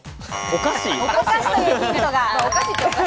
お菓子というヒントが。